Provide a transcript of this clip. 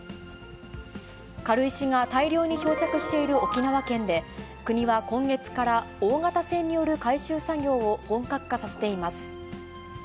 軽石が大量に漂着している沖縄県で、国は今月から、大型船による回収作業を本格化させています。